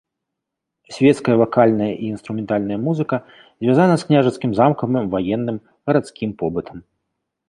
Свецкая вакальная і інструментальная музыка звязана з княжацкім замкавым, ваенным, гарадскім побытам.